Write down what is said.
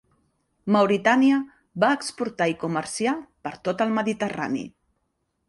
Mauritània va exportar i comerciar per tot el Mediterrani.